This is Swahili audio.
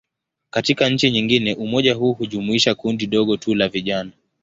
Katika nchi nyingine, umoja huu hujumuisha kundi dogo tu la vijana.